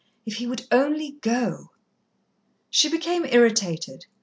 If he would only go." She became irritated.